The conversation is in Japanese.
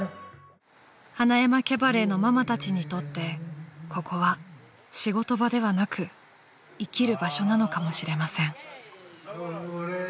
［塙山キャバレーのママたちにとってここは仕事場ではなく生きる場所なのかもしれません］